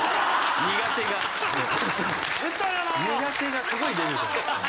苦手がすごい出てたよ。